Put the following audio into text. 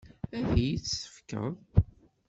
Ad iyi-tt-tefkeḍ?